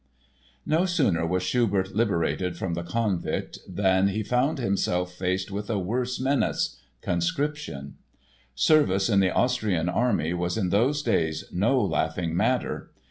No sooner was Schubert liberated from the Konvikt than he found himself faced with a worse menace—conscription. Service in the Austrian army was in those days no laughing matter.